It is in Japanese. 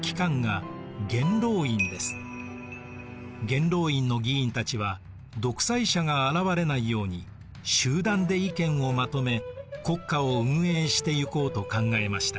元老院の議員たちは独裁者が現れないように集団で意見をまとめ国家を運営していこうと考えました。